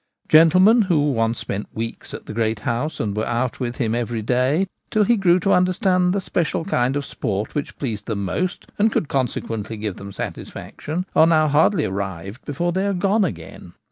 Gentlemen who once spent weeks at the great house, and were out with him every day till he grew to understand the special kind of sport which pleased them most, and could conse quently give them satisfaction, are now hardly arrived before they are gone again.